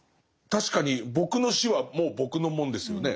確かに僕の死はもう僕のもんですよね。